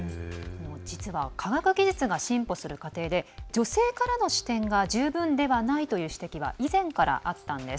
実は、科学技術が進歩する過程で女性からの視点が十分ではないという指摘が以前からあったんです。